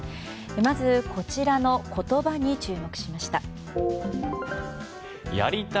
まず、こちらの言葉に注目しました。